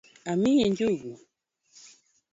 Amiyie njugu?